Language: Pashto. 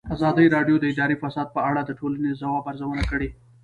ازادي راډیو د اداري فساد په اړه د ټولنې د ځواب ارزونه کړې.